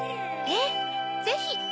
ええぜひ。